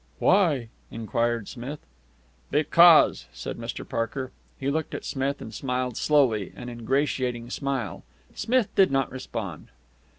"Why?" enquired Smith. "Because," said Mr. Parker. He looked at Smith, and smiled slowly, an ingratiating smile. Smith did not respond.